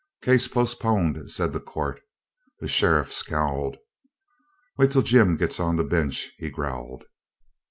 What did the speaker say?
"Case postponed," said the Court. The sheriff scowled. "Wait till Jim gets on the bench," he growled.